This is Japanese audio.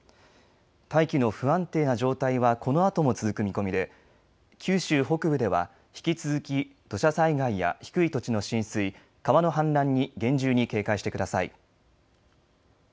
大気の不安定な状態はこのあとも続く見込みで九州北部では引き続き土砂災害や低い土地の浸水、川の氾濫に厳重に警戒してください。